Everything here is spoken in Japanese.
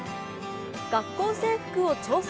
学校制服を調査。